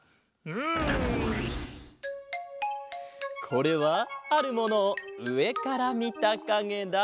これはあるものをうえからみたかげだ。